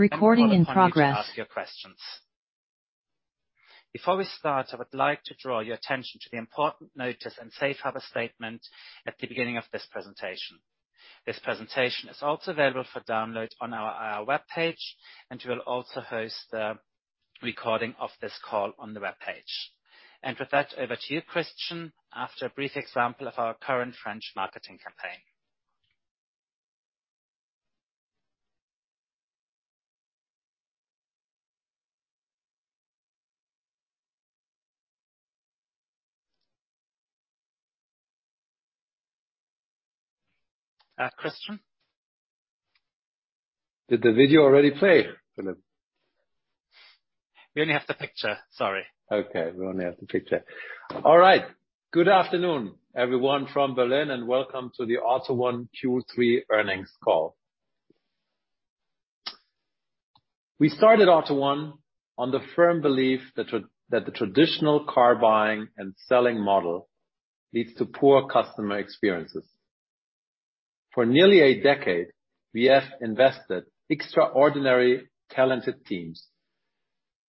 We call upon you to ask your questions. Before we start, I would like to draw your attention to the important notice and safe harbor statement at the beginning of this presentation. This presentation is also available for download on our webpage, and we'll also host the recording of this call on the webpage. With that, over to you, Christian, after a brief example of our current French marketing campaign. Christian? Did the video already play, Philip? We only have the picture. Sorry. Okay. We only have the picture. All right. Good afternoon, everyone from Berlin, and welcome to the AUTO1 Q3 earnings call. We started AUTO1 on the firm belief that the traditional car buying and selling model leads to poor customer experiences. For nearly a decade, we have invested extraordinarily talented teams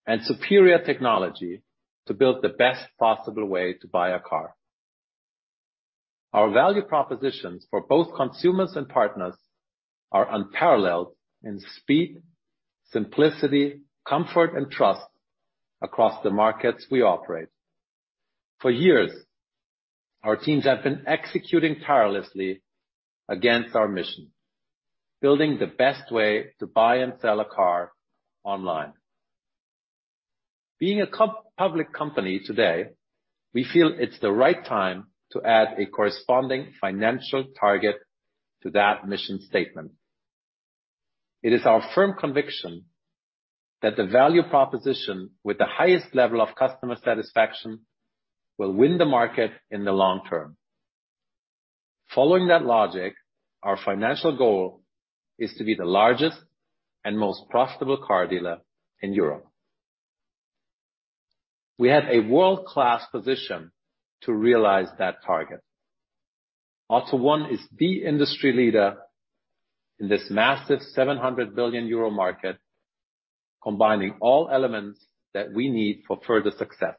and superior technology to build the best possible way to buy a car. Our value propositions for both consumers and partners are unparalleled in speed, simplicity, comfort, and trust across the markets we operate. For years, our teams have been executing tirelessly against our mission, building the best way to buy and sell a car online. Being a public company today, we feel it's the right time to add a corresponding financial target to that mission statement. It is our firm conviction that the value proposition with the highest level of customer satisfaction will win the market in the long term. Following that logic, our financial goal is to be the largest and most profitable car dealer in Europe. We have a world-class position to realize that target. AUTO1 is the industry leader in this massive 700 billion euro market, combining all elements that we need for further success.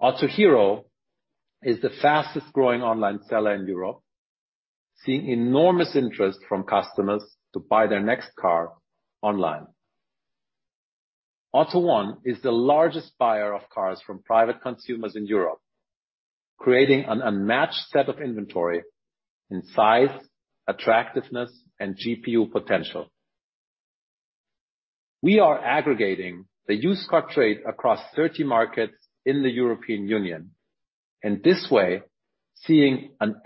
Autohero is the fastest growing online seller in Europe, seeing enormous interest from customers to buy their next car online. AUTO1 is the largest buyer of cars from private consumers in Europe, creating an unmatched set of inventory in size, attractiveness, and GPU potential. We are aggregating the used car trade across 30 markets in the European Union, in this way, seeing an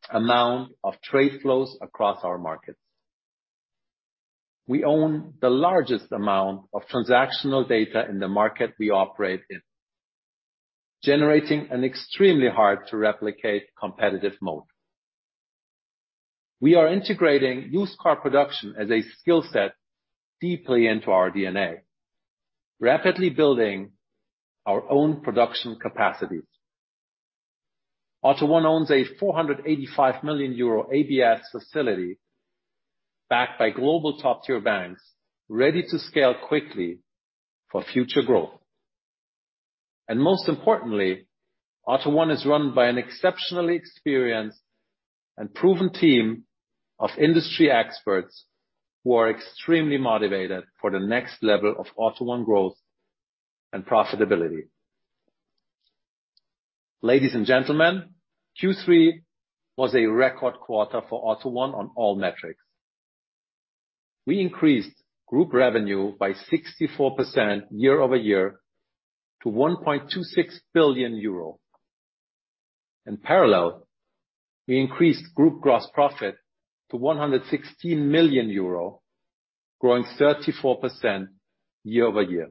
ever-increasing amount of trade flows across our markets. We own the largest amount of transactional data in the market we operate in, generating an extremely hard to replicate competitive moat. We are integrating used car production as a skill set deeply into our DNA, rapidly building our own production capacities. AUTO1 owns a 485 million euro ABS facility backed by global top-tier banks, ready to scale quickly for future growth. Most importantly, AUTO1 is run by an exceptionally experienced and proven team of industry experts who are extremely motivated for the next level of AUTO1 growth and profitability. Ladies and gentlemen, Q3 was a record quarter for AUTO1 on all metrics. We increased group revenue by 64% year-over-year to EUR 1.26 billion. In parallel, we increased group gross profit to 116 million euro, growing 34% year-over-year.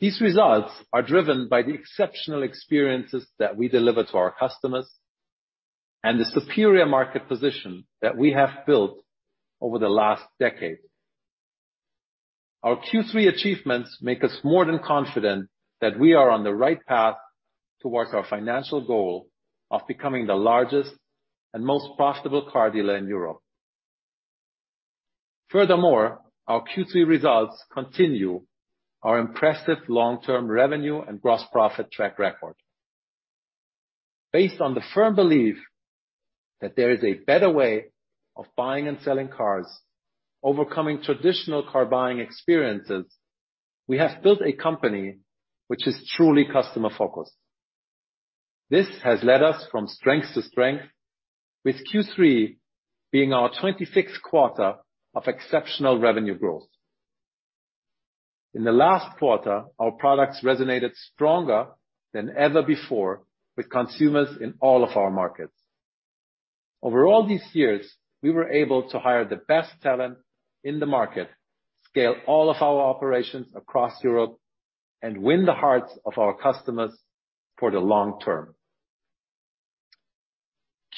These results are driven by the exceptional experiences that we deliver to our customers and the superior market position that we have built over the last decade. Our Q3 achievements make us more than confident that we are on the right path towards our financial goal of becoming the largest and most profitable car dealer in Europe. Furthermore, our Q3 results continue our impressive long-term revenue and gross profit track record. Based on the firm belief that there is a better way of buying and selling cars, overcoming traditional car buying experiences, we have built a company which is truly customer focused. This has led us from strength to strength with Q3 being our 26th quarter of exceptional revenue growth. In the last quarter, our products resonated stronger than ever before with consumers in all of our markets. Over all these years, we were able to hire the best talent in the market, scale all of our operations across Europe, and win the hearts of our customers for the long term.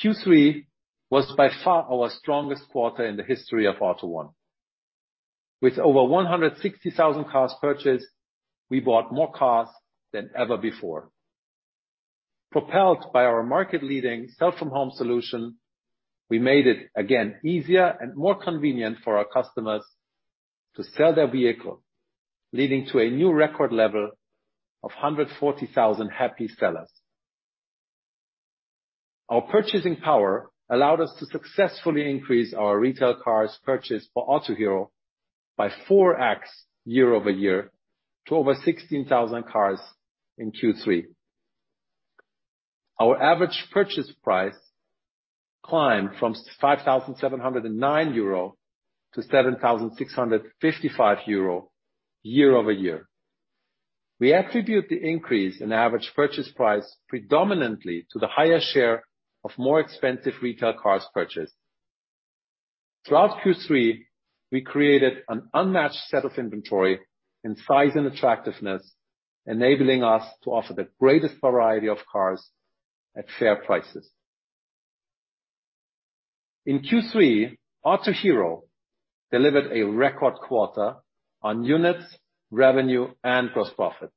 Q3 was by far our strongest quarter in the history of AUTO1. With over 160,000 cars purchased, we bought more cars than ever before. Propelled by our market-leading sell from home solution, we made it again easier and more convenient for our customers to sell their vehicle, leading to a new record level of 140,000 happy sellers. Our purchasing power allowed us to successfully increase our retail cars purchased for Autohero by 4x year-over-year to over 16,000 cars in Q3. Our average purchase price climbed from 5,709 euro to 7,655 euro year-over-year. We attribute the increase in average purchase price predominantly to the higher share of more expensive Retail cars purchased. Throughout Q3, we created an unmatched set of inventory in size and attractiveness, enabling us to offer the greatest variety of cars at fair prices. In Q3, Autohero delivered a record quarter on units, revenue, and gross profit.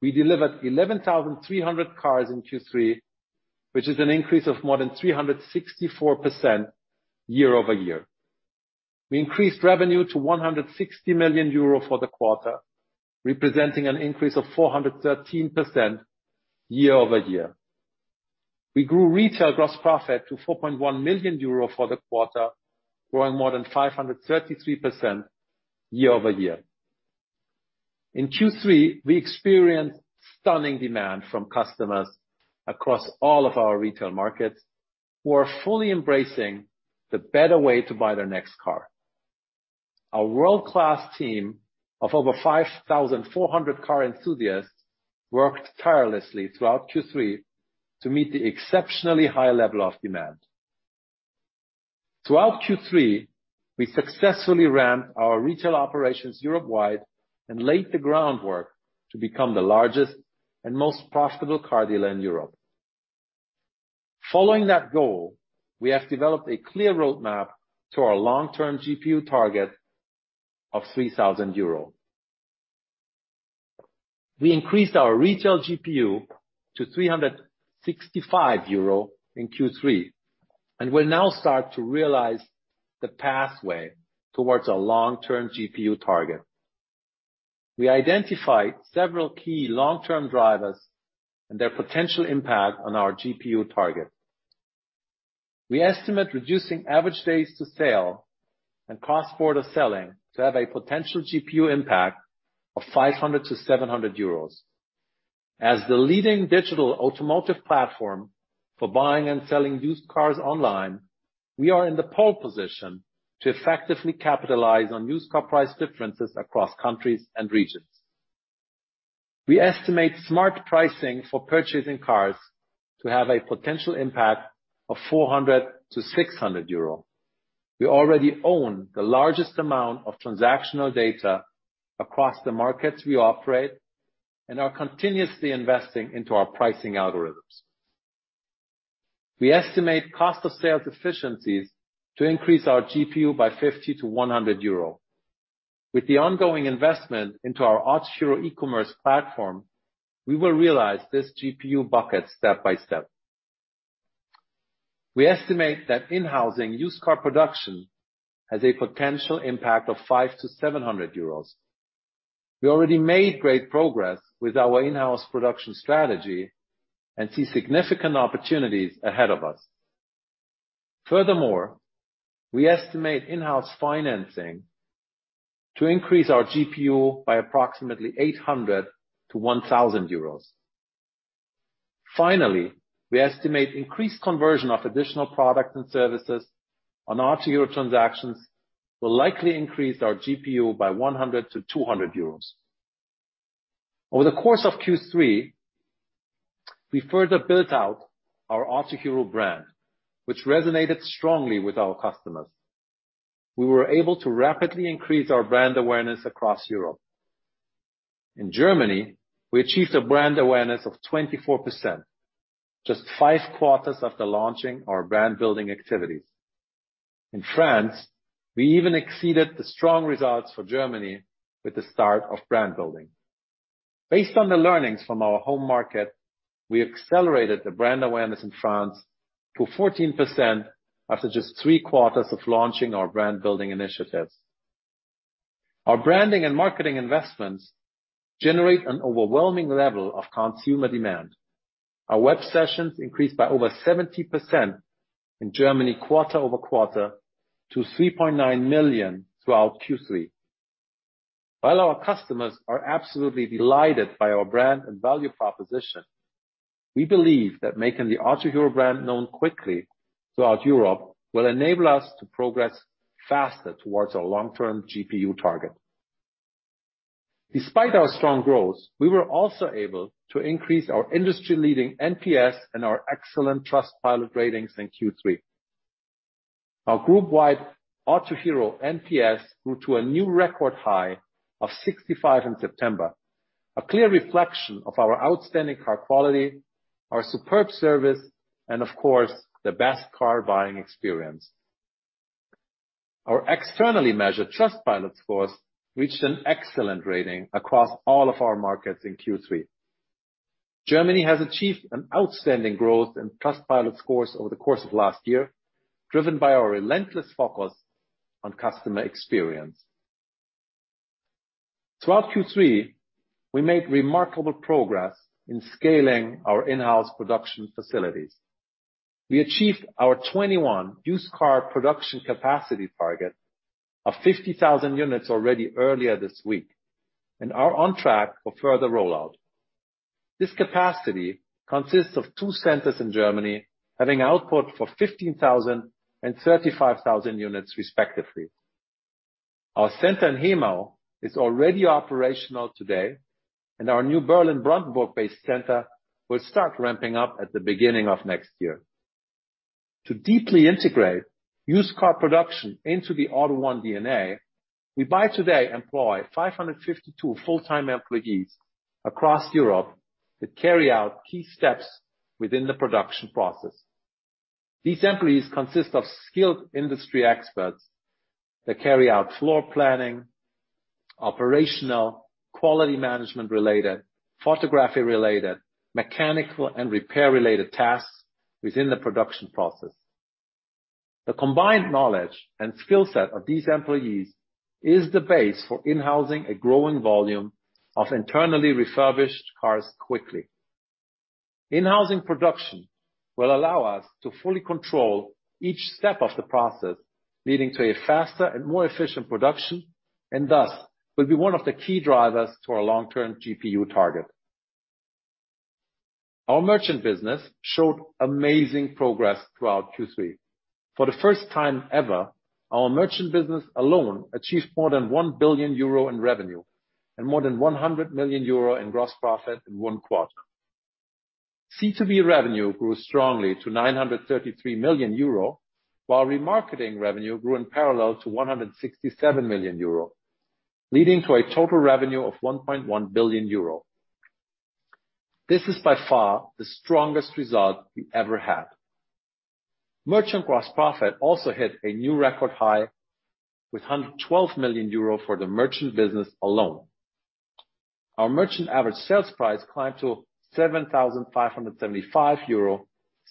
We delivered 11,300 cars in Q3, which is an increase of more than 364% year-over-year. We increased revenue to 160 million euro for the quarter, representing an increase of 413% year-over-year. We grew Retail gross profit to 4.1 million euro for the quarter, growing more than 533% year-over-year. In Q3, we experienced stunning demand from customers across all of our retail markets who are fully embracing the better way to buy their next car. Our world-class team of over 5,400 car enthusiasts worked tirelessly throughout Q3 to meet the exceptionally high level of demand. Throughout Q3, we successfully ramped our retail operations Europe-wide and laid the groundwork to become the largest and most profitable car dealer in Europe. Following that goal, we have developed a clear roadmap to our long-term GPU target of 3,000 euro. We increased our Retail GPU to 365 euro in Q3, and will now start to realize the pathway towards our long-term GPU target. We identified several key long-term drivers and their potential impact on our GPU target. We estimate reducing average days to sale and cost for the selling to have a potential GPU impact of 500-700 euros. As the leading digital automotive platform for buying and selling used cars online, we are in the pole position to effectively capitalize on used car price differences across countries and regions. We estimate smart pricing for purchasing cars to have a potential impact of 400-600 euro. We already own the largest amount of transactional data across the markets we operate and are continuously investing into our pricing algorithms. We estimate cost of sales efficiencies to increase our GPU by 50-100 euro. With the ongoing investment into our Autohero e-commerce platform, we will realize this GPU bucket step-by-step. We estimate that in-housing used car production has a potential impact of 500-700 euros. We already made great progress with our in-house production strategy and see significant opportunities ahead of us. Furthermore, we estimate in-house financing to increase our GPU by approximately 800-1,000 euros. Finally, we estimate increased conversion of additional products and services on Autohero transactions will likely increase our GPU by 100-200 euros. Over the course of Q3, we further built out our Autohero brand, which resonated strongly with our customers. We were able to rapidly increase our brand awareness across Europe. In Germany, we achieved a brand awareness of 24%, just five quarters after launching our brand-building activities. In France, we even exceeded the strong results for Germany with the start of brand building. Based on the learnings from our home market, we accelerated the brand awareness in France to 14% after just three quarters of launching our brand-building initiatives. Our branding and marketing investments generate an overwhelming level of consumer demand. Our web sessions increased by over 70% in Germany quarter-over-quarter to 3.9 million throughout Q3. While our customers are absolutely delighted by our brand and value proposition, we believe that making the Autohero brand known quickly throughout Europe will enable us to progress faster towards our long-term GPU target. Despite our strong growth, we were also able to increase our industry-leading NPS and our excellent Trustpilot ratings in Q3. Our group-wide Autohero NPS grew to a new record high of 65 in September. A clear reflection of our outstanding car quality, our superb service, and of course, the best car buying experience. Our externally measured Trustpilot score reached an excellent rating across all of our markets in Q3. Germany has achieved an outstanding growth in Trustpilot scores over the course of last year, driven by our relentless focus on customer experience. Throughout Q3, we made remarkable progress in scaling our in-house production facilities. We achieved our 2021 used car production capacity target of 50,000 units already earlier this week, and are on track for further rollout. This capacity consists of two centers in Germany, having output for 15,000 and 35,000 units respectively. Our center in Hemau is already operational today, and our new Berlin-Brandenburg-based center will start ramping up at the beginning of next year. To deeply integrate used car production into the AUTO1 DNA, we as of today employ 552 full-time employees across Europe to carry out key steps within the production process. These employees consist of skilled industry experts that carry out floor planning, operational, quality management-related, photography-related, mechanical, and repair-related tasks within the production process. The combined knowledge and skill set of these employees is the base for in-housing a growing volume of internally refurbished cars quickly. In-housing production will allow us to fully control each step of the process, leading to a faster and more efficient production, and thus will be one of the key drivers to our long-term GPU target. Our Merchant business showed amazing progress throughout Q3. For the first time ever, our Merchant business alone achieved more than 1 billion euro in revenue and more than 100 million euro in gross profit in one quarter. C2B revenue grew strongly to 933 million euro, while remarketing revenue grew in parallel to 167 million euro, leading to a total revenue of 1.1 billion euro. This is by far the strongest result we ever had. Merchant gross profit also hit a new record high with 112 million euro for the Merchant business alone. Our Merchant average sales price climbed to 7,575 euro,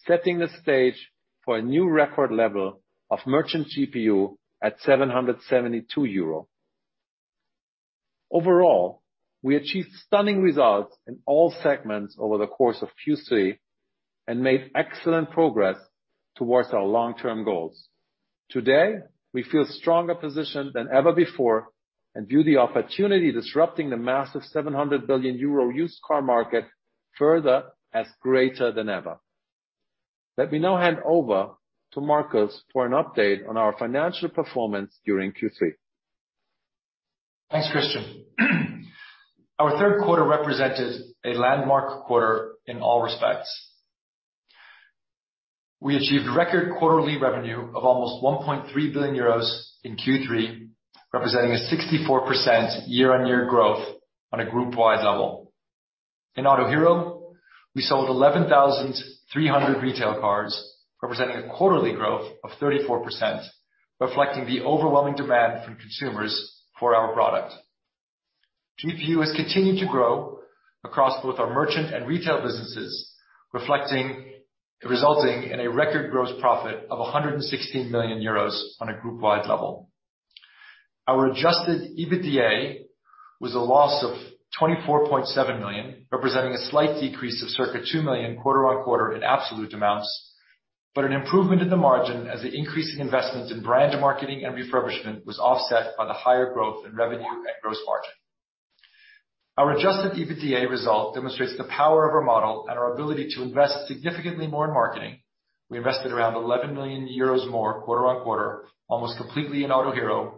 setting the stage for a new record level of Merchant GPU at 772 euro. Overall, we achieved stunning results in all segments over the course of Q3 and made excellent progress towards our long-term goals. Today, we feel stronger positioned than ever before and view the opportunity disrupting the massive 700 billion euro used car market further as greater than ever. Let me now hand over to Markus for an update on our financial performance during Q3. Thanks, Christian. Our third quarter represented a landmark quarter in all respects. We achieved record quarterly revenue of almost 1.3 billion euros in Q3, representing a 64% year-on-year growth on a group-wide level. In Autohero, we sold 11,300 Retail cars, representing a quarterly growth of 34%, reflecting the overwhelming demand from consumers for our product. GPU has continued to grow across both our Merchant and Retail businesses, reflecting, resulting in a record gross profit of 116 million euros on a group-wide level. Our adjusted EBITDA was a loss of 24.7 million, representing a slight decrease of circa 2 million quarter-on-quarter in absolute amounts. An improvement in the margin as the increase in investments in brand marketing and refurbishment was offset by the higher growth in revenue and gross margin. Our adjusted EBITDA result demonstrates the power of our model and our ability to invest significantly more in marketing. We invested around 11 million euros more quarter-on-quarter, almost completely in Autohero,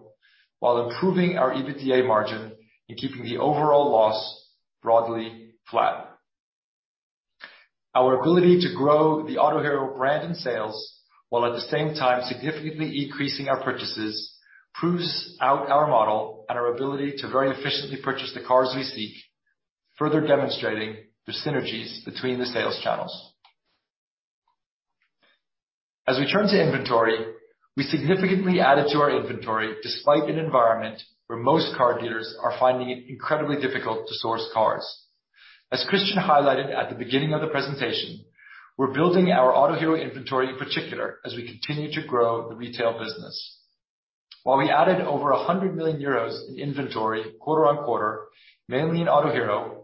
while improving our EBITDA margin and keeping the overall loss broadly flat. Our ability to grow the Autohero brand in sales, while at the same time significantly increasing our purchases, proves out our model and our ability to very efficiently purchase the cars we seek, further demonstrating the synergies between the sales channels. As we turn to inventory, we significantly added to our inventory despite an environment where most car dealers are finding it incredibly difficult to source cars. As Christian highlighted at the beginning of the presentation, we're building our Autohero inventory in particular as we continue to grow the retail business. While we added over 100 million euros in inventory quarter-on-quarter, mainly in Autohero,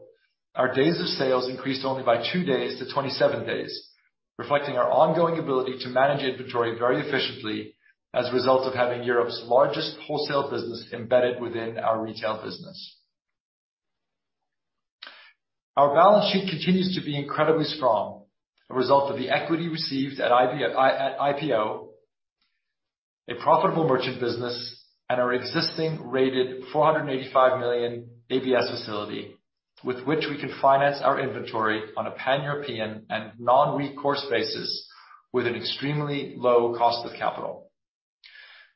our days of sales increased only by two days to 27 days, reflecting our ongoing ability to manage inventory very efficiently as a result of having Europe's largest wholesale business embedded within our retail business. Our balance sheet continues to be incredibly strong, a result of the equity received at IPO, a profitable merchant business, and our existing rated 485 million ABS facility, with which we can finance our inventory on a Pan-European and non-recourse basis with an extremely low cost of capital.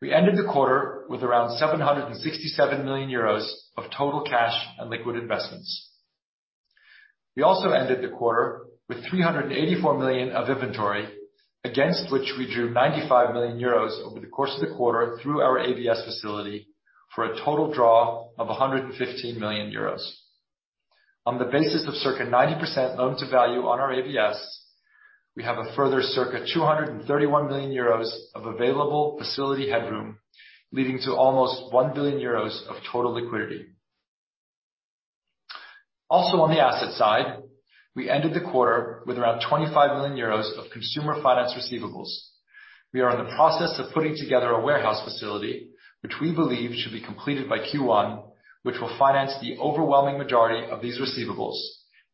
We ended the quarter with around 767 million euros of total cash and liquid investments. We ended the quarter with 384 million of inventory, against which we drew 95 million euros over the course of the quarter through our ABS facility for a total draw of 115 million euros. On the basis of circa 90% loan-to-value on our ABS, we have a further circa EUR 231 million of available facility headroom, leading to almost EUR 1 billion of total liquidity. Also on the asset side, we ended the quarter with around 25 million euros of consumer finance receivables. We are in the process of putting together a warehouse facility, which we believe should be completed by Q1, which will finance the overwhelming majority of these receivables,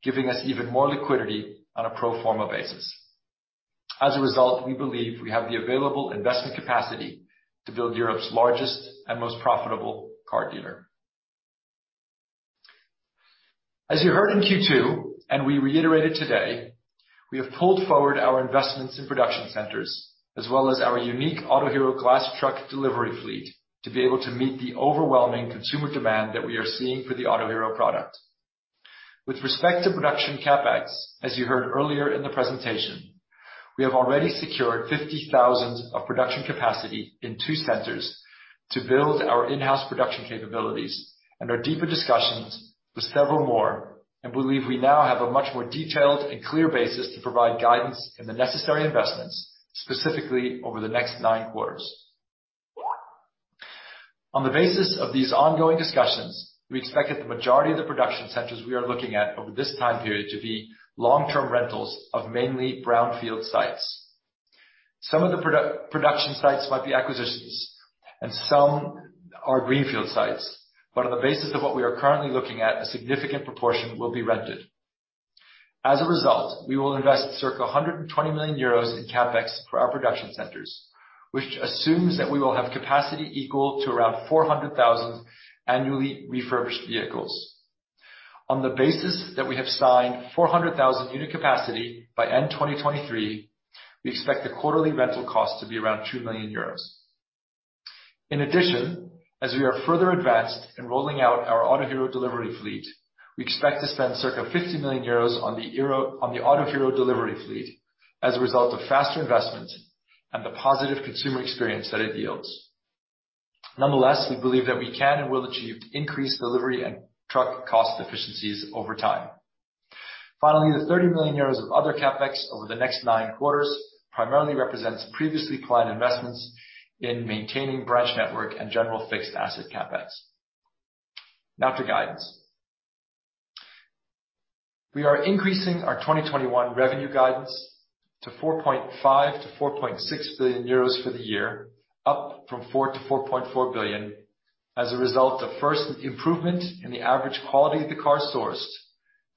giving us even more liquidity on a pro forma basis. As a result, we believe we have the available investment capacity to build Europe's largest and most profitable car dealer. As you heard in Q2, and we reiterated today, we have pulled forward our investments in production centers as well as our unique Autohero glass truck delivery fleet to be able to meet the overwhelming consumer demand that we are seeing for the Autohero product. With respect to production CapEx, as you heard earlier in the presentation, we have already secured 50,000 of production capacity in two centers to build our in-house production capabilities and are in deeper discussions with several more, and believe we now have a much more detailed and clear basis to provide guidance in the necessary investments, specifically over the next nine quarters. On the basis of these ongoing discussions, we expect that the majority of the production centers we are looking at over this time period to be long-term rentals of mainly brownfield sites. Some of the production sites might be acquisitions and some are greenfield sites, but on the basis of what we are currently looking at, a significant proportion will be rented. As a result, we will invest circa 120 million euros in CapEx for our production centers, which assumes that we will have capacity equal to around 400,000 annually refurbished vehicles. On the basis that we have signed 400,000 unit capacity by end 2023, we expect the quarterly rental cost to be around 2 million euros. In addition, as we are further advanced in rolling out our Autohero delivery fleet, we expect to spend circa 50 million euros on the Euro... on the Autohero delivery fleet as a result of faster investment and the positive consumer experience that it yields. Nonetheless, we believe that we can and will achieve increased delivery and truck cost efficiencies over time. Finally, the 30 million euros of other CapEx over the next nine quarters primarily represents previously planned investments in maintaining branch network and general fixed asset CapEx. Now to guidance. We are increasing our 2021 revenue guidance to 4.5 billion-4.6 billion euros for the year, up from 4 billion-4.4 billion, as a result of, first, improvement in the average quality of the car sourced,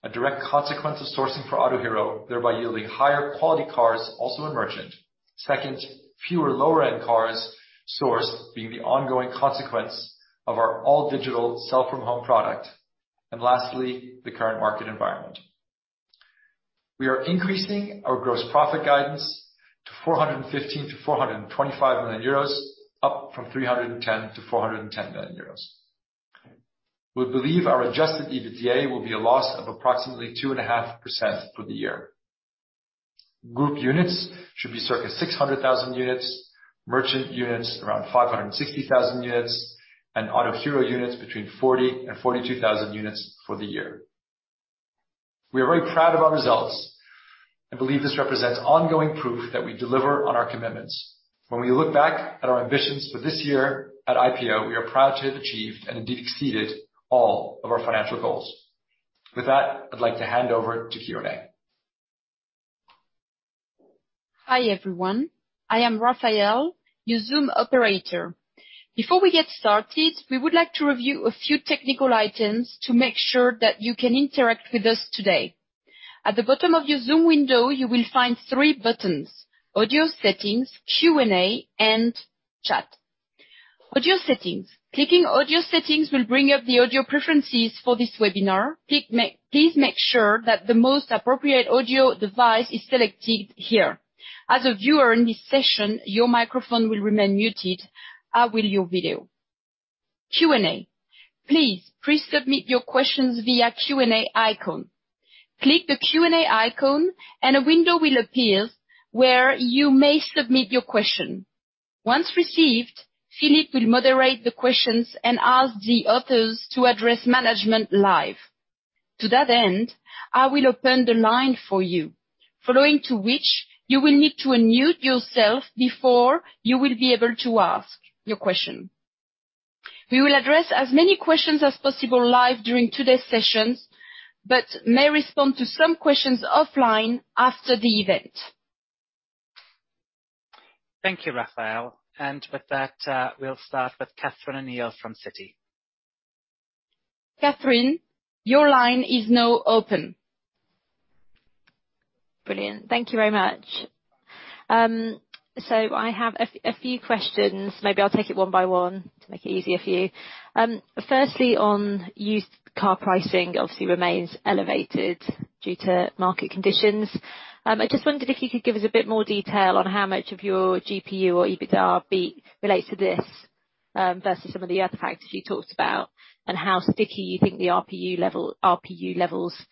a direct consequence of sourcing for Autohero, thereby yielding higher quality cars also in merchant. Second, fewer lower end cars sourced being the ongoing consequence of our all digital sell from home product. Lastly, the current market environment. We are increasing our gross profit guidance to 415 million-425 million euros, up from 310 million-410 million euros. We believe our adjusted EBITDA will be a loss of approximately 2.5% for the year. Group units should be circa 600,000 units, merchant units around 560,000 units, and Autohero units between 40,000 and 42,000 units for the year. We are very proud of our results and believe this represents ongoing proof that we deliver on our commitments. When we look back at our ambitions for this year at IPO, we are proud to have achieved and indeed exceeded all of our financial goals. With that, I'd like to hand over to Q&A. Hi, everyone. I am Raphael, your Zoom operator. Before we get started, we would like to review a few technical items to make sure that you can interact with us today. At the bottom of your Zoom window, you will find three buttons: Audio Settings, Q&A, and Chat. Audio Settings. Clicking Audio Settings will bring up the audio preferences for this webinar. Please make sure that the most appropriate audio device is selected here. As a viewer in this session, your microphone will remain muted, as will your video. Q&A. Please pre-submit your questions via Q&A icon. Click the Q&A icon and a window will appear where you may submit your question. Once received, Philip will moderate the questions and ask the authors to address management live. To that end, I will open the line for you, following to which you will need to unmute yourself before you will be able to ask your question. We will address as many questions as possible live during today's sessions, but may respond to some questions offline after the event. Thank you, Raphael. With that, we'll start with Catherine O'Neill from Citi. Catherine, your line is now open. Brilliant. Thank you very much. I have a few questions. Maybe I'll take it one by one to make it easier for you. Firstly, on used car pricing obviously remains elevated due to market conditions. I just wondered if you could give us a bit more detail on how much of your GPU or EBITDA beat relates to this, versus some of the other factors you talked about, and how sticky you think the GPU level, GPU levels will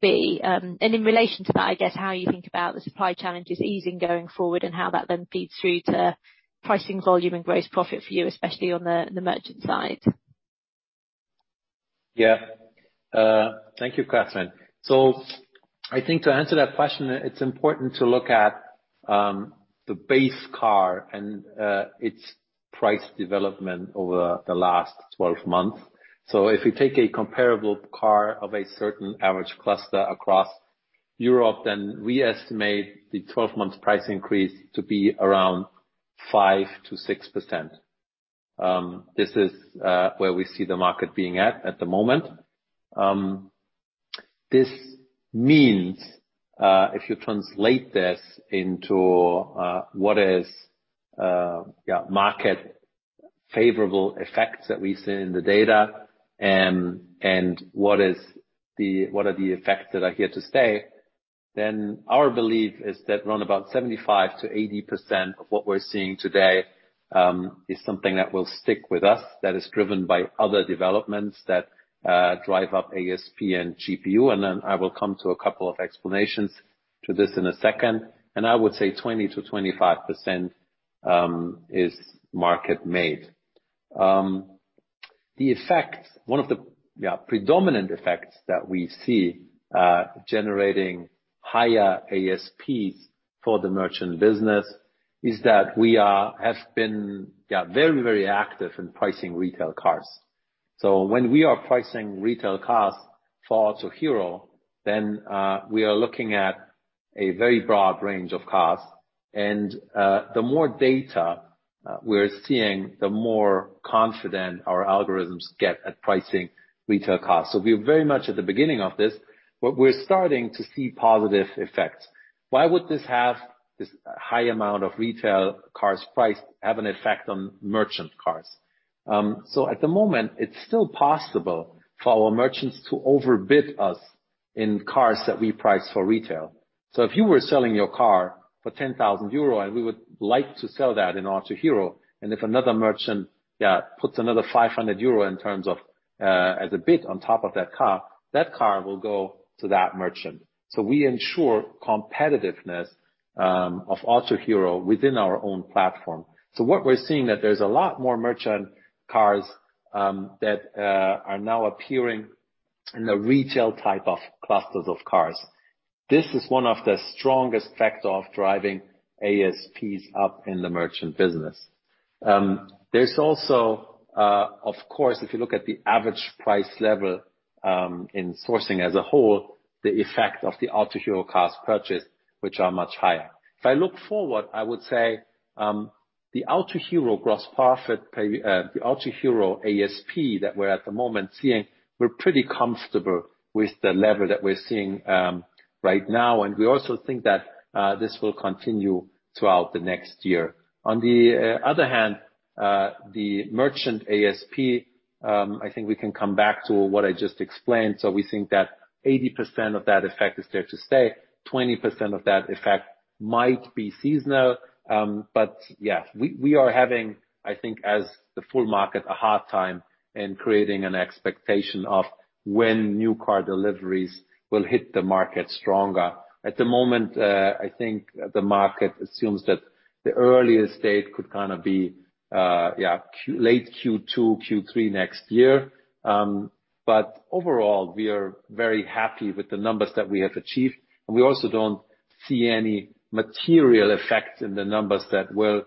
be. In relation to that, I guess how you think about the supply challenges easing going forward, and how that then feeds through to pricing, volume and gross profit for you, especially on the merchant side. Yeah. Thank you, Catherine. I think to answer that question, it's important to look at the base car and its price development over the last 12 months. If you take a comparable car of a certain average cluster across Europe, then we estimate the 12-month price increase to be around 5%-6%. This is where we see the market being at the moment. This means, if you translate this into what is market favorable effects that we see in the data, and what are the effects that are here to stay, then our belief is that round about 75%-80% of what we're seeing today is something that will stick with us, that is driven by other developments that drive up ASP and GPU. Then I will come to a couple of explanations to this in a second. I would say 20%-25% is market-made. The effect, one of the predominant effects that we see generating higher ASPs for the Merchant business is that we have been very active in pricing Retail cars. So when we are pricing Retail cars for Autohero, then we are looking at a very broad range of cars. The more data we're seeing, the more confident our algorithms get at pricing Retail cars. So we are very much at the beginning of this, but we're starting to see positive effects. Why would this high amount of Retail cars priced have an effect on Merchant cars? At the moment it's still possible for our merchants to overbid us in cars that we price for Retail. If you were selling your car for 10,000 euro, and we would like to sell that in Autohero, and if another merchant puts another 500 euro in terms of as a bid on top of that car, that car will go to that merchant. We ensure competitiveness of Autohero within our own platform. What we're seeing is that there's a lot more merchant cars that are now appearing in the retail type of clusters of cars. This is one of the strongest factors of driving ASPs up in the Merchant business. There's also, of course, if you look at the average price level, in sourcing as a whole, the effect of the Autohero cars purchased, which are much higher. If I look forward, I would say the Autohero gross profit, the Autohero ASP that we're at the moment seeing. We're pretty comfortable with the level that we're seeing right now, and we also think that this will continue throughout the next year. On the other hand, the merchant ASP, I think we can come back to what I just explained. We think that 80% of that effect is there to stay. 20% of that effect might be seasonal. Yeah, we are having, I think as the whole market, a hard time in creating an expectation of when new car deliveries will hit the market stronger. At the moment, I think the market assumes that the earliest date could kind of be late Q2, Q3 next year. Overall, we are very happy with the numbers that we have achieved. We also don't see any material effects in the numbers that will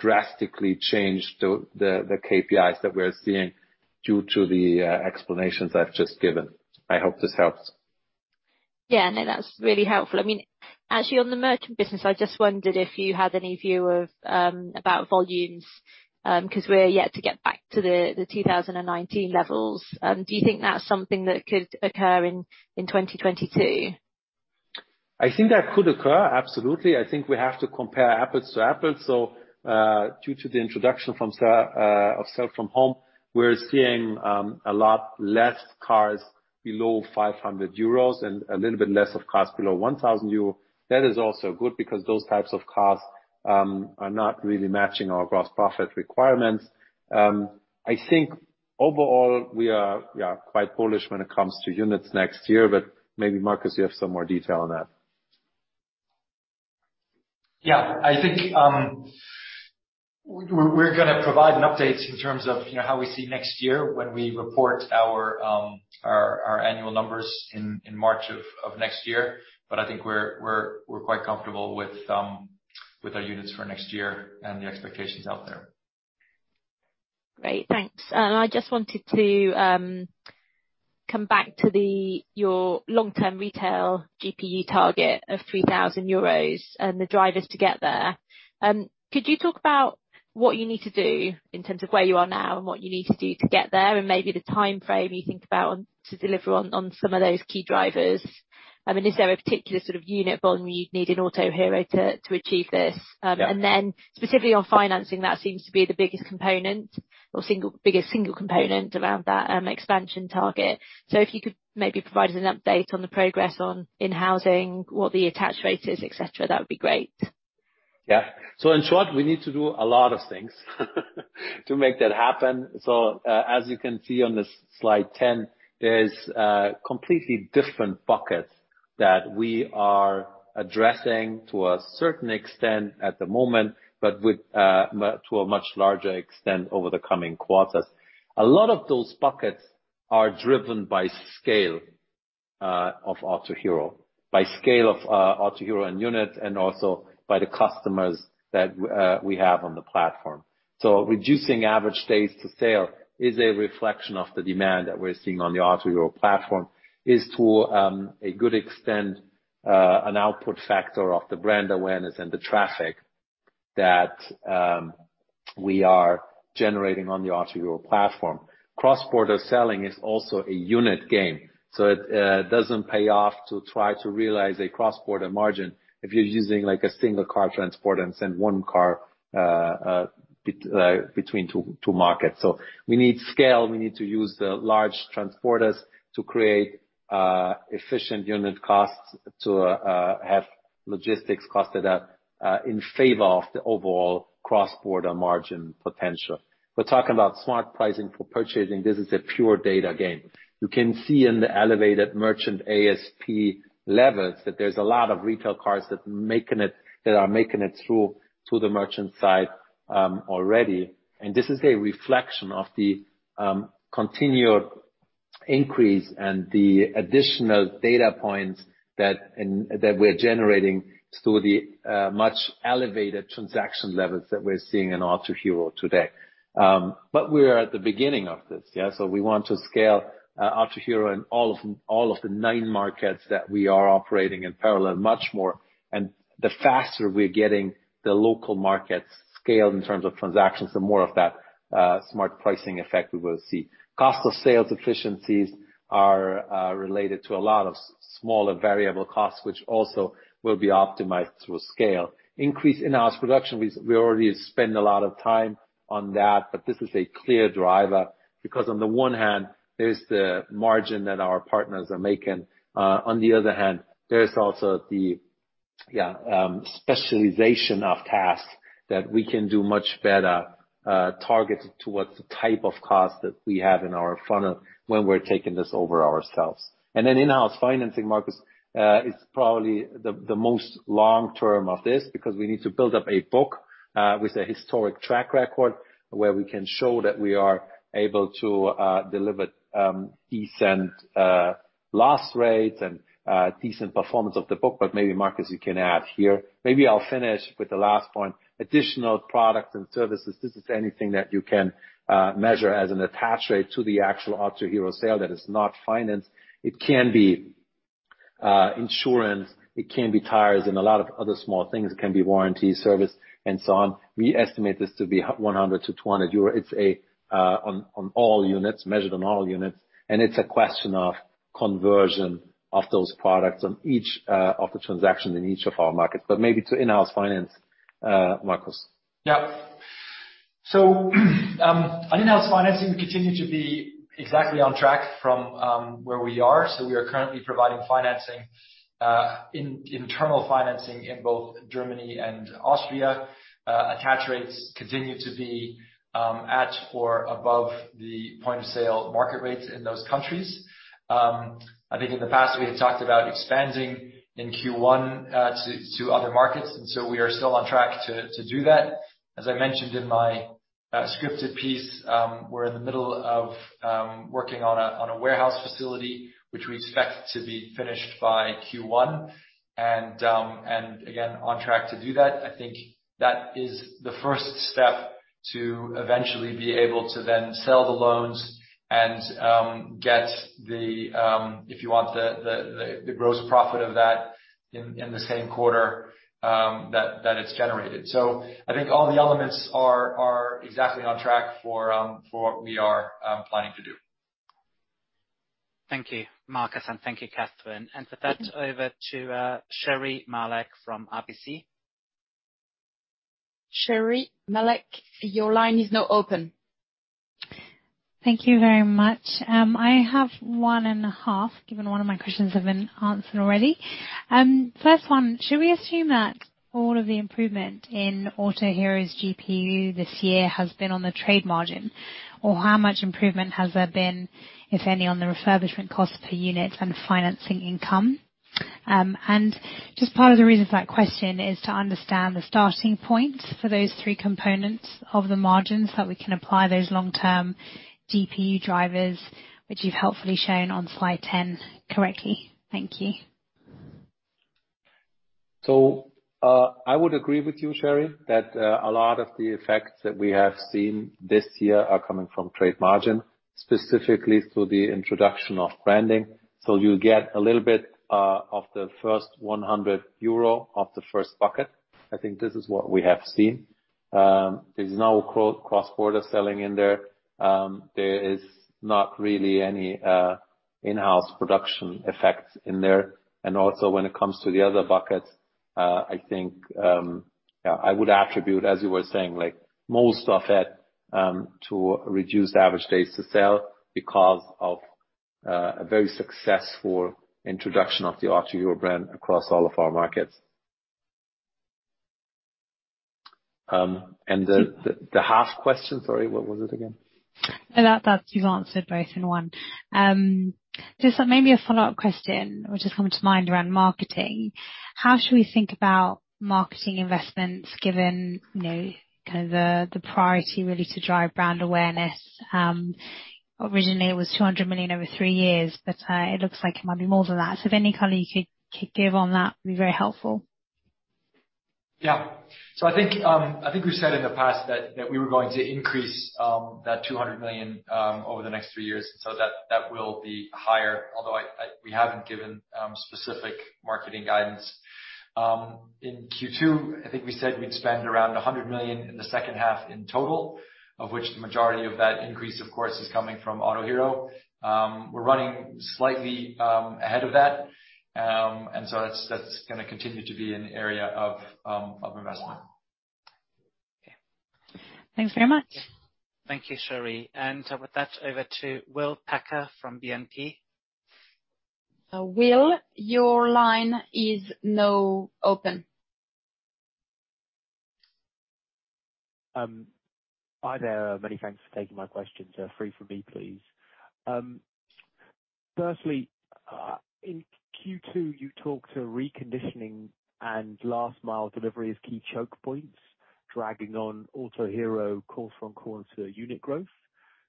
drastically change the KPIs that we're seeing due to the explanations I've just given. I hope this helps. Yeah, no, that's really helpful. I mean, actually on the Merchant business, I just wondered if you had any view of about volumes, 'cause we're yet to get back to the 2019 levels. Do you think that's something that could occur in 2022? I think that could occur, absolutely. I think we have to compare apples to apples. Due to the introduction of sell from home, we're seeing a lot less cars below 500 euros and a little bit less of cars below 1,000 euros. That is also good because those types of cars are not really matching our gross profit requirements. I think overall we are, yeah, quite bullish when it comes to units next year, but maybe Markus, you have some more detail on that. Yeah. I think we're gonna provide an update in terms of, you know, how we see next year when we report our annual numbers in March of next year. I think we're quite comfortable with our units for next year and the expectations out there. Great. Thanks. I just wanted to come back to your long-term retail GPU target of 3,000 euros and the drivers to get there. Could you talk about what you need to do in terms of where you are now and what you need to do to get there, and maybe the timeframe you think about to deliver on some of those key drivers? I mean, is there a particular sort of unit volume you'd need in Autohero to achieve this? Yeah. Specifically on financing, that seems to be the biggest single component around that expansion target. If you could maybe provide us an update on the progress on in-housing, what the attach rate is, et cetera, that would be great. Yeah. In short, we need to do a lot of things to make that happen. As you can see on the slide 10, there's completely different buckets that we are addressing to a certain extent at the moment, but to a much larger extent over the coming quarters. A lot of those buckets are driven by scale of Autohero, by scale of Autohero in units and also by the customers that we have on the platform. Reducing average days to sale is a reflection of the demand that we're seeing on the Autohero platform. To a good extent, it is an output factor of the brand awareness and the traffic that we are generating on the Autohero platform. Cross-border selling is also a unit game, so it doesn't pay off to try to realize a cross-border margin if you're using, like, a single car transport and send one car between two markets. We need scale, we need to use the large transporters to create efficient unit costs to have logistics costs that are in favor of the overall cross-border margin potential. We're talking about smart pricing for purchasing. This is a pure data game. You can see in the elevated merchant ASP levels that there's a lot of retail cars that are making it through to the merchant side already. This is a reflection of the continued increase and the additional data points that we're generating through the much elevated transaction levels that we're seeing in Autohero today. We are at the beginning of this. We want to scale Autohero in all of the nine markets that we are operating in parallel much more. The faster we're getting the local markets scaled in terms of transactions, the more of that smart pricing effect we will see. Cost of sales efficiencies are related to a lot of smaller variable costs, which also will be optimized through scale. Increase in-house production. We already spend a lot of time on that, but this is a clear driver because on the one hand, there's the margin that our partners are making, on the other hand, there's also the specialization of tasks that we can do much better, targeted towards the type of car that we have in our funnel when we're taking this over ourselves. In-house financing, Markus, is probably the most long-term of this because we need to build up a book with a historic track record where we can show that we are able to deliver decent loss rates and decent performance of the book. Maybe, Markus, you can add here. Maybe I'll finish with the last point. Additional products and services. This is anything that you can measure as an attach rate to the actual Autohero sale that is not financed. It can be insurance, it can be tires and a lot of other small things. It can be warranty, service, and so on. We estimate this to be 100-200 euros. It's on all units, measured on all units, and it's a question of conversion of those products on each of the transaction in each of our markets. Maybe to in-house finance, Markus. Yeah, on in-house financing, we continue to be exactly on track from where we are. We are currently providing financing, in-house financing in both Germany and Austria. Attach rates continue to be at or above the point-of-sale market rates in those countries. I think in the past, we had talked about expanding in Q1 to other markets, and we are still on track to do that. As I mentioned in my scripted piece, we're in the middle of working on a warehouse facility, which we expect to be finished by Q1, and again on track to do that. I think that is the first step to eventually be able to then sell the loans and get the if you want the gross profit of that in the same quarter that it's generated. I think all the elements are exactly on track for what we are planning to do. Thank you, Markus, and thank you, Catherine. To pass over to Sherri Malek from RBC. Sherri Malek, your line is now open. Thank you very much. I have one and a half, given one of my questions have been answered already. First one, should we assume that all of the improvement in Autohero's GPU this year has been on the trade margin? Or how much improvement has there been, if any, on the refurbishment cost per unit and financing income? Just part of the reason for that question is to understand the starting points for those three components of the margins that we can apply those long-term GPU drivers, which you've helpfully shown on slide 10 correctly. Thank you. I would agree with you, Sherri, that a lot of the effects that we have seen this year are coming from trade margin, specifically through the introduction of branding. You get a little bit of the first 100 euro of the first bucket. I think this is what we have seen. There's no cross-border selling in there. There is not really any in-house production effects in there. Also, when it comes to the other buckets, I think, yeah, I would attribute, as you were saying, like most of it, to reduced average days to sell because of a very successful introduction of the Autohero brand across all of our markets. The half question. Sorry, what was it again? No, that's. You've answered both in one. Just maybe a follow-up question which is coming to mind around marketing. How should we think about marketing investments given, you know, kind of the priority really to drive brand awareness? Originally it was 200 million over three years, but it looks like it might be more than that. If any color you could give on that, would be very helpful. I think we've said in the past that we were going to increase that 200 million over the next three years. That will be higher, although we haven't given specific marketing guidance. In Q2, I think we said we'd spend around 100 million in the second half in total, of which the majority of that increase, of course, is coming from Autohero. We're running slightly ahead of that. That's gonna continue to be an area of investment. Okay. Thanks very much. Thank you, Sherri. With that, over to Will Packer from BNP. Uh, Will, your line is now open. Hi there. Many thanks for taking my questions. They're three from me, please. Firstly, in Q2, you talked to reconditioning and last mile delivery as key choke points, dragging on Autohero quarter-on-quarter unit growth.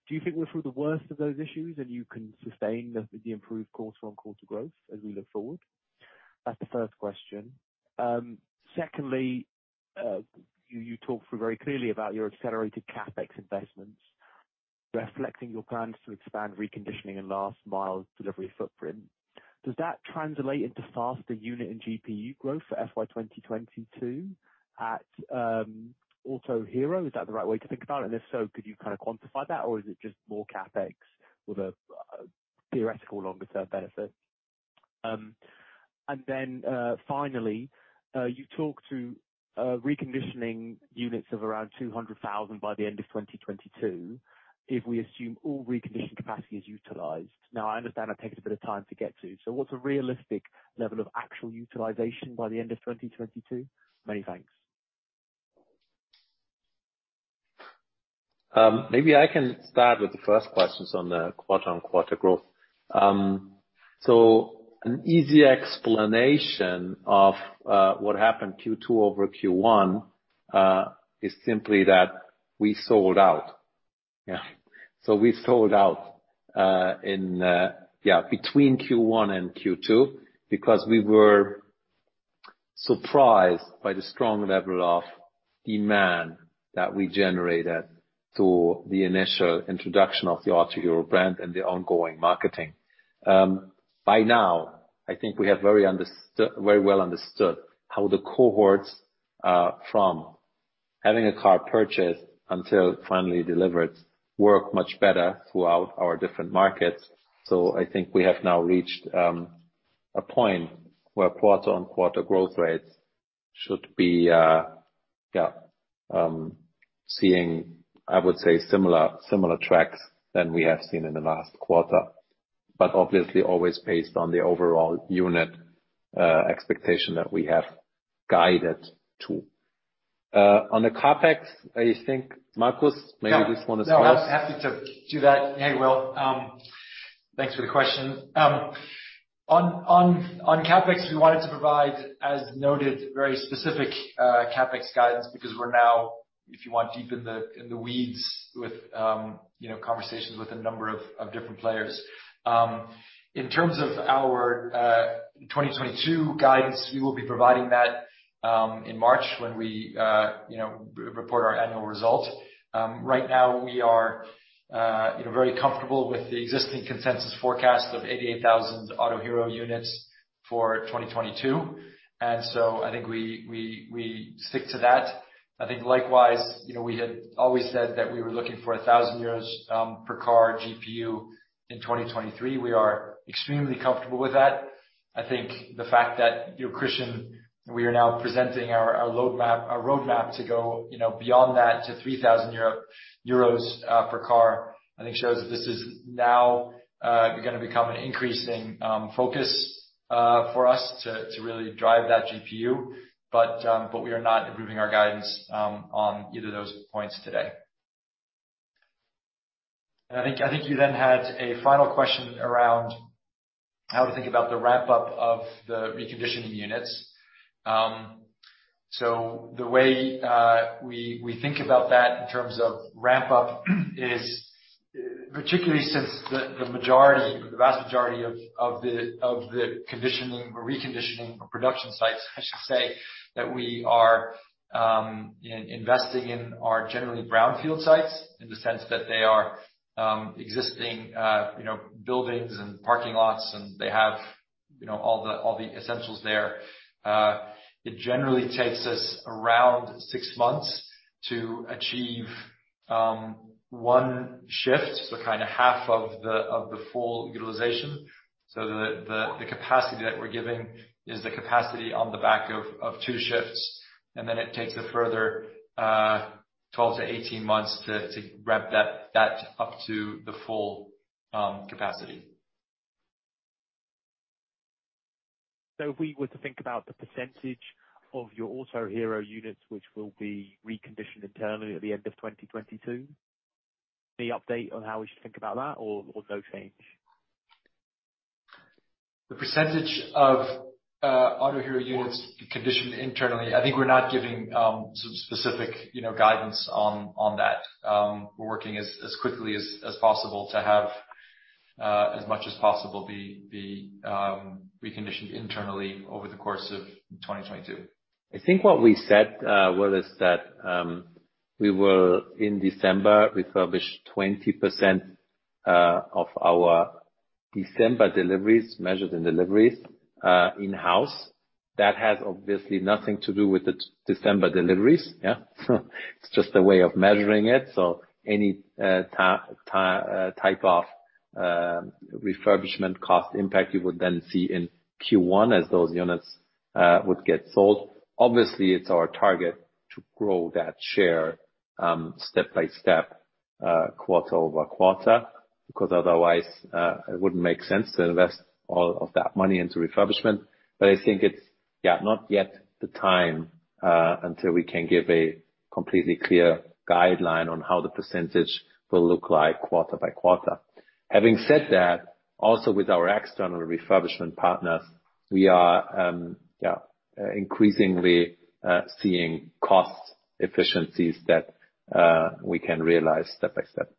Do you think we're through the worst of those issues and you can sustain the improved quarter-on-quarter growth as we look forward? That's the first question. Secondly, you talked through very clearly about your accelerated CapEx investments reflecting your plans to expand reconditioning and last mile delivery footprint. Does that translate into faster unit and GPU growth for FY 2022 at Autohero? Is that the right way to think about it? If so, could you kind of quantify that or is it just more CapEx with a theoretical longer-term benefit? Finally, you talked to reconditioning units of around 200,000 by the end of 2022, if we assume all reconditioned capacity is utilized. Now, I understand that takes a bit of time to get to. What's a realistic level of actual utilization by the end of 2022? Many thanks. Maybe I can start with the first questions on the quarter-on-quarter growth. An easy explanation of what happened Q2 over Q1 is simply that we sold out. We sold out in between Q1 and Q2 because we were surprised by the strong level of demand that we generated through the initial introduction of the Autohero brand and the ongoing marketing. By now, I think we have very well understood how the cohorts from having a car purchased until finally delivered work much better throughout our different markets. I think we have now reached a point where quarter-on-quarter growth rates should be seeing, I would say similar tracks than we have seen in the last quarter, but obviously always based on the overall unit expectation that we have guided to. On the CapEx, I think, Marcus, maybe this one is yours. No, happy to do that. Hey, Will, thanks for the question. On CapEx, we wanted to provide, as noted, very specific CapEx guidance because we're now, if you want, deep in the weeds with you know, conversations with a number of different players. In terms of our 2022 guidance, we will be providing that in March when we you know, report our annual results. Right now, we are, you know, very comfortable with the existing consensus forecast of 88,000 Autohero units for 2022. I think we stick to that. I think likewise, you know, we had always said that we were looking for 1,000 euros per car GPU in 2023. We are extremely comfortable with that. I think the fact that, you know, Christian, we are now presenting our roadmap to go, you know, beyond that to 3,000 euro per car, I think, shows that this is now gonna become an increasing focus for us to really drive that GPU. But we are not improving our guidance on either of those points today. I think you then had a final question around how to think about the ramp-up of the reconditioning units. The way we think about that in terms of ramp-up is particularly since the majority, the vast majority of the conditioning or reconditioning or production sites, I should say, that we are investing in are generally Brownfield sites in the sense that they are existing, you know, buildings and parking lots, and they have, you know, all the essentials there. It generally takes us around six months to achieve one shift. Kinda half of the full utilization. The capacity that we're giving is the capacity on the back of two shifts, and then it takes a further 12-18 months to ramp that up to the full capacity. If we were to think about the percentage of your Autohero units which will be reconditioned internally at the end of 2022, any update on how we should think about that or no change? The percentage of Autohero units conditioned internally, I think we're not giving specific, you know, guidance on that. We're working as quickly as possible to have as much as possible be reconditioned internally over the course of 2022. I think what we said was that we, in December, refurbished 20% of our December deliveries, measured in deliveries, in-house. That has obviously nothing to do with the December deliveries, yeah. It's just a way of measuring it. Any type of refurbishment cost impact you would then see in Q1 as those units would get sold. Obviously, it's our target to grow that share step by step quarter-over-quarter, because otherwise it wouldn't make sense to invest all of that money into refurbishment. I think it's yeah, not yet the time until we can give a completely clear guideline on how the percentage will look like quarter by quarter. Having said that, also with our external refurbishment partners, we are increasingly seeing cost efficiencies that we can realize step by step.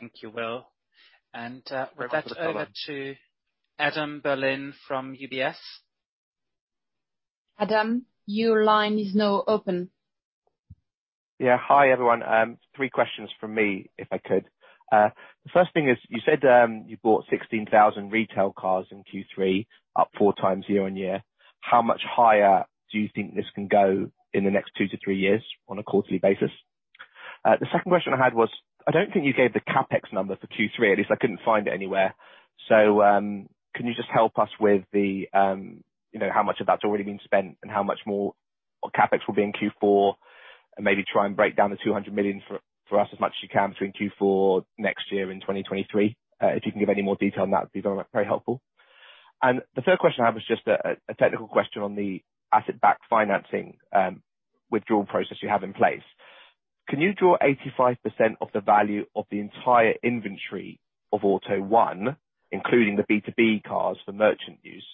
Thank you, Will. Thanks for the follow up. With that, over to Adam Berlin from UBS. Adam, your line is now open. Yeah. Hi, everyone. Three questions from me, if I could. The first thing is, you said you bought 16,000 Retail cars in Q3, up four times year-on-year. How much higher do you think this can go in the next two to three years on a quarterly basis? The second question I had was, I don't think you gave the CapEx number for Q3, at least I couldn't find it anywhere. Can you just help us with the you know how much of that's already been spent and how much more of CapEx will be in Q4, and maybe try and break down the 200 million for us as much as you can between Q4 next year and 2023. If you can give any more detail on that, be very helpful. The third question I have is just a technical question on the asset-backed financing withdrawal process you have in place. Can you draw 85% of the value of the entire inventory of AUTO1, including the B2B cars for Merchant use?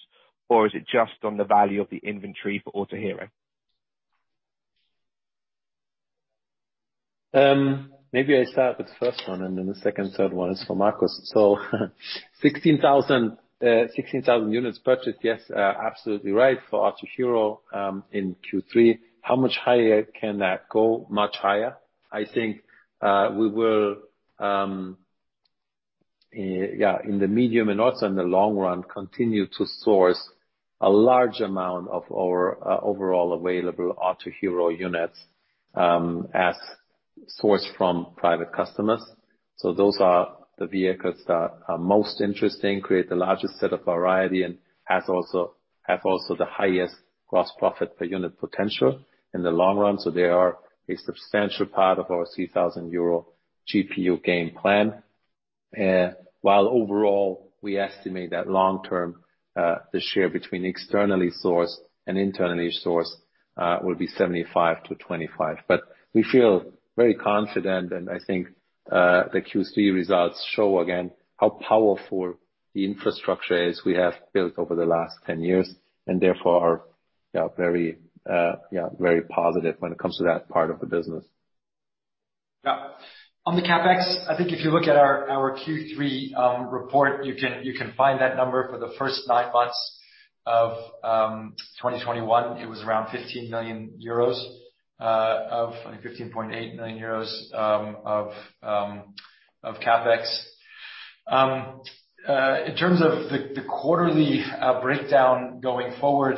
Or is it just on the value of the inventory for Autohero? Maybe I start with the first one, and then the second, third one is for Markus. 16,000 units purchased, yes, absolutely right for Autohero in Q3. How much higher can that go? Much higher. I think we will in the medium and also in the long run continue to source a large amount of our overall available Autohero units as sourced from private customers. Those are the vehicles that are most interesting, create the largest set of variety and have also the highest gross profit per unit potential in the long run. They are a substantial part of our 3,000 euro GPU gain plan. While overall, we estimate that long term the share between externally sourced and internally sourced will be 75%-25%. We feel very confident, and I think, the Q3 results show again how powerful the infrastructure is we have built over the last 10 years and therefore we are yeah, very positive when it comes to that part of the business. Yeah. On the CapEx, I think if you look at our Q3 report, you can find that number for the first nine months of 2021. It was around 15 million euros, 15.8 million euros of CapEx. In terms of the quarterly breakdown going forward,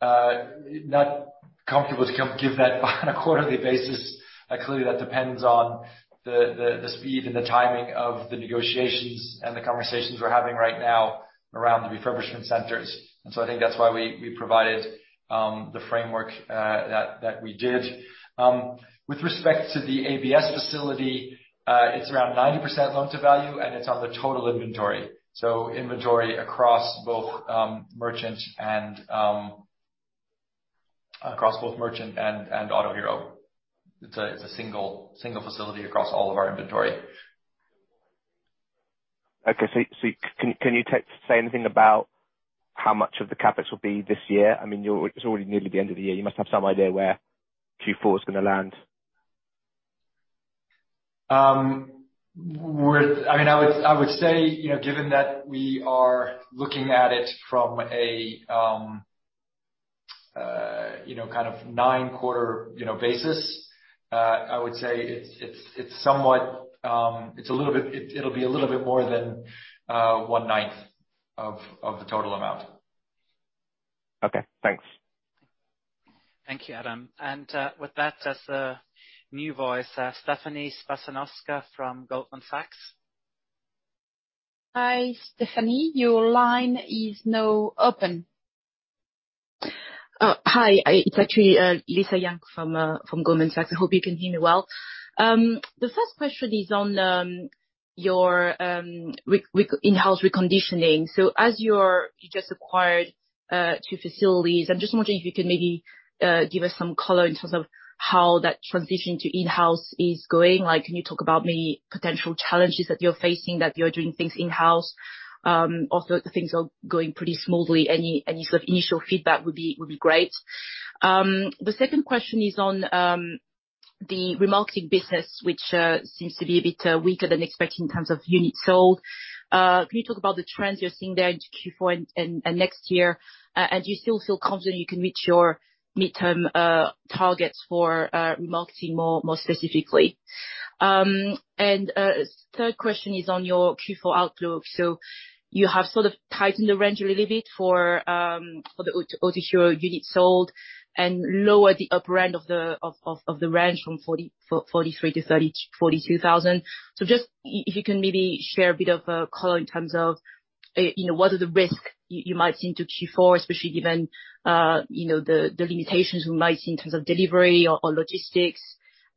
not comfortable to come give that on a quarterly basis. Clearly that depends on the speed and the timing of the negotiations and the conversations we're having right now around the refurbishment centers. I think that's why we provided the framework that we did. With respect to the ABS facility, it's around 90% loan-to-value, and it's on the total inventory. Inventory across both Merchant and Autohero. It's a single facility across all of our inventory. Okay. Can you say anything about how much of the CapEx will be this year? I mean, it's already nearly the end of the year. You must have some idea where Q4 is gonna land. I mean, I would say, you know, given that we are looking at it from a, you know, kind of nine-quarter basis, I would say it's somewhat. It'll be a little bit more than 1/9 of the total amount. Okay. Thanks. Thank you, Adam. With that, as a new voice, Stephanie from Goldman Sachs. Hi, Stephanie, your line is now open. Hi. It's actually Lisa Yang from Goldman Sachs. I hope you can hear me well. The first question is on your in-house reconditioning. As you just acquired two facilities, I'm just wondering if you could maybe give us some color in terms of how that transition to in-house is going. Like, can you talk about maybe potential challenges that you're facing doing things in-house? Also, if things are going pretty smoothly, any sort of initial feedback would be great. The second question is on the remarketing business, which seems to be a bit weaker than expected in terms of units sold. Can you talk about the trends you're seeing there into Q4 and next year? Do you still feel confident you can reach your midterm targets for remarketing more specifically? Third question is on your Q4 outlook. You have sort of tightened the range a little bit for the Autohero units sold and lowered the upper end of the range from 43 to 42,000. Just if you can maybe share a bit of color in terms of what are the risks you might see into Q4, especially given the limitations we might see in terms of delivery or logistics.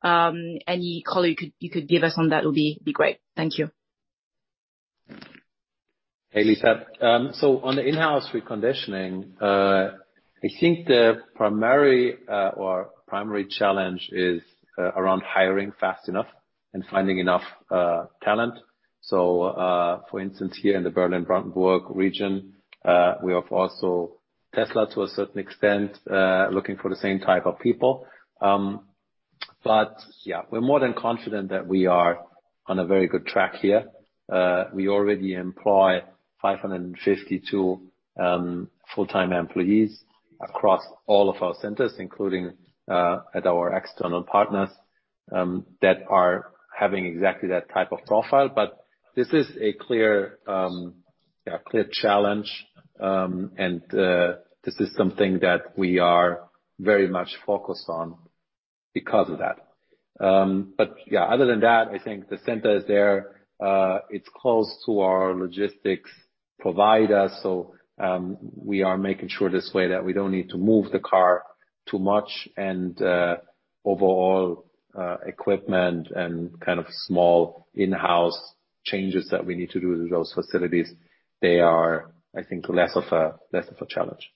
Any color you could give us on that would be great. Thank you. Hey, Lisa. On the in-house reconditioning, I think the primary challenge is around hiring fast enough and finding enough talent. For instance, here in the Berlin-Brandenburg region, we have also Tesla, to a certain extent, looking for the same type of people. Yeah, we're more than confident that we are on a very good track here. We already employ 552 full-time employees across all of our centers, including at our external partners that are having exactly that type of profile. This is a clear challenge, and this is something that we are very much focused on because of that. Yeah, other than that, I think the center is there. It's close to our logistics provider, so we are making sure this way that we don't need to move the car too much and overall equipment and kind of small in-house changes that we need to do to those facilities. They are, I think, less of a challenge.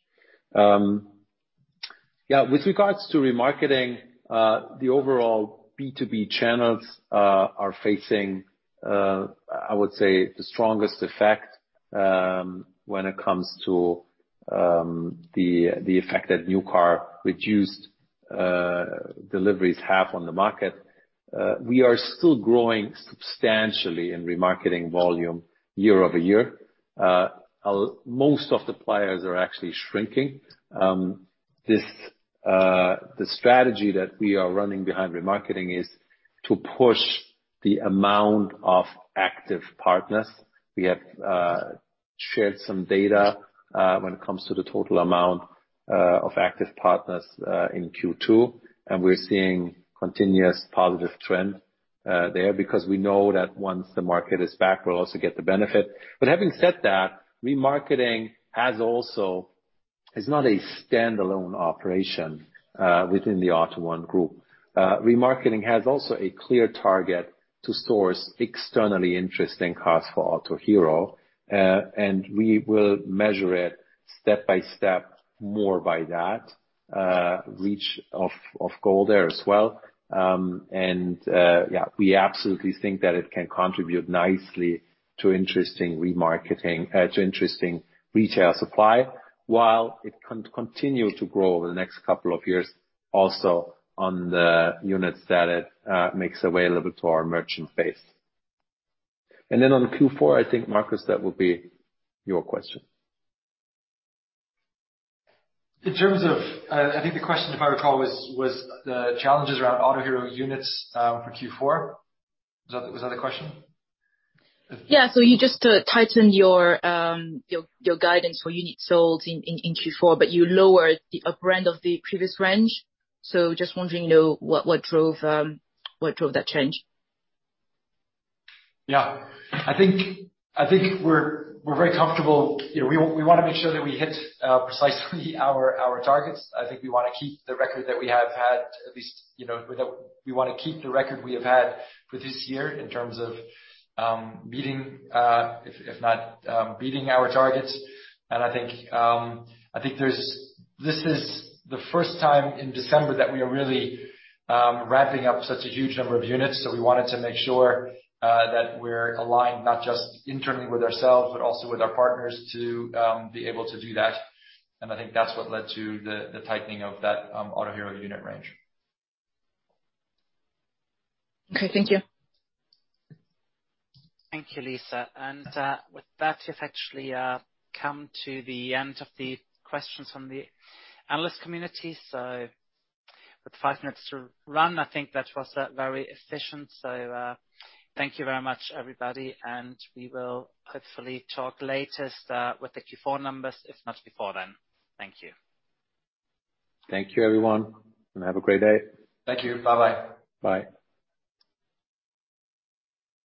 With regards to remarketing, the overall B2B channels are facing, I would say, the strongest effect when it comes to the effect that reduced new car deliveries have on the market. We are still growing substantially in remarketing volume year-over-year. Most of the players are actually shrinking. The strategy that we are running behind remarketing is to push the amount of active partners. We have shared some data when it comes to the total amount of active partners in Q2, and we're seeing continuous positive trend there because we know that once the market is back, we'll also get the benefit. Having said that, remarketing is not a standalone operation within the AUTO1 Group. Remarketing has also a clear target to source externally interesting cars for Autohero, and we will measure it step by step more by that reach of goal there as well. Yeah, we absolutely think that it can contribute nicely to interesting remarketing to interesting retail supply while it continue to grow over the next couple of years also on the units that it makes available to our merchant base. On Q4, I think, Markus, that would be your question. In terms of, I think the question, if I recall, was the challenges around Autohero units for Q4. Was that the question? Yeah. You just tightened your guidance for units sold in Q4, but you lowered the upper end of the previous range. Just wondering, you know, what drove that change? Yeah. I think we're very comfortable. You know, we wanna make sure that we hit precisely our targets. I think we wanna keep the record that we have had. At least, you know, we wanna keep the record we have had for this year in terms of meeting if not beating our targets. I think this is the first time in December that we are really ramping up such a huge number of units, so we wanted to make sure that we're aligned, not just internally with ourselves, but also with our partners, to be able to do that. I think that's what led to the tightening of that Autohero unit range. Okay. Thank you. Thank you, Lisa. With that, we've actually come to the end of the questions from the analyst community. With five minutes to run, I think that was very efficient. Thank you very much, everybody, and we will hopefully talk latest with the Q4 numbers, if not before then. Thank you. Thank you, everyone, and have a great day. Thank you. Bye-bye. Bye.